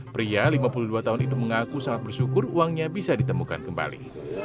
pria lima puluh dua tahun itu mengaku sangat bersyukur uangnya bisa ditemukan kembali